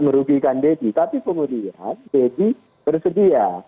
merugikan deddy tapi kemudian deddy bersedia